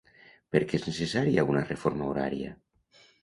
Per què és necessària una reforma horària?